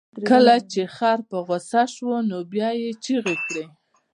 کله چې خر په غوسه شي، نو بیا چغې وهي.